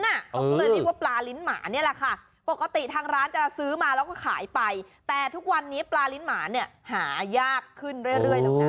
เขาก็เลยเรียกว่าปลาลิ้นหมานี่แหละค่ะปกติทางร้านจะซื้อมาแล้วก็ขายไปแต่ทุกวันนี้ปลาลิ้นหมาเนี่ยหายากขึ้นเรื่อยแล้วนะ